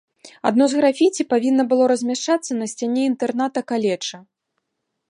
Адно з графіці павінна было размяшчацца на сцяне інтэрната каледжа.